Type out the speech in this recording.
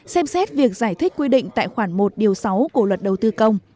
xem xét việc giải thích quy định tại khoản một điều sáu của luật đầu tư công